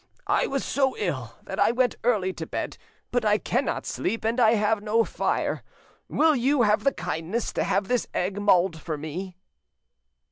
I was so ill that I went early to bed, but I cannot sleep, and I have no fire. Would you have the kindness to have this egg mulled for me?"